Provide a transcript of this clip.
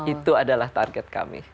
itu adalah target kami